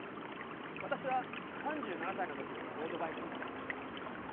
私は３７歳の時にロードバイクに出会いました。